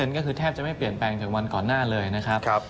ก็คือแทบจะไม่เปลี่ยนแปลงจากวันก่อนหน้าเลยนะครับ